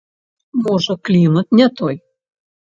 Можа, клімат не той?